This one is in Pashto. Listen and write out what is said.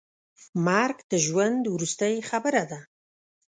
مرګ د ژوند وروستۍ خبره ده.